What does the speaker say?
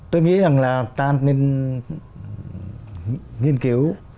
tôi nghĩ rằng là ta nên nghiên cứu